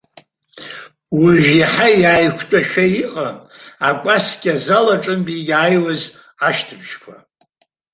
Уажәы иаҳа иааиқәтәашәа иҟан, акәасқьа азал аҿынтәи иааҩуаз ашьҭыбжьқәа.